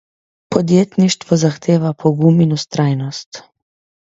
Podjetništvo zahteva pogum in vztrajnost.